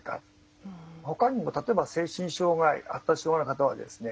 ほかにも例えば精神障害発達障害の方はですね